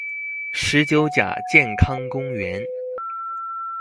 十九甲健康公園